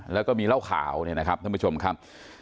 แล้วก็มีเล่าข่าวเนี่ยนะครับที่เพิ่มค่า